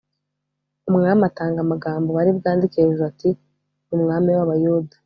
Umwami atanga amagambo bari bwandike hejuru ati ni umwami w’abayuda